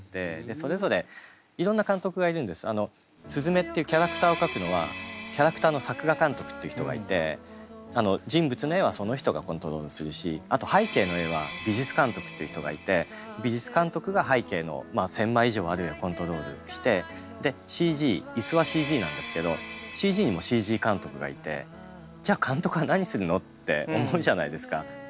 鈴芽っていうキャラクターを描くのはキャラクターの作画監督っていう人がいて人物の絵はその人がコントロールするしあと背景の絵は美術監督っていう人がいて美術監督が背景の１，０００枚以上ある絵をコントロールしてでＣＧ椅子はＣＧなんですけどＣＧにもＣＧ監督がいて「じゃあ監督は何するの？」って思うじゃないですか。